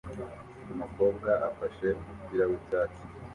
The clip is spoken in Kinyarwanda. Umukobwa afashe umupira wicyatsi